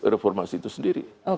reformasi itu sendiri